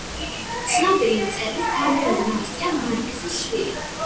ცნობილი მწერლის გაბრიელ გარსია მარკესის შვილი.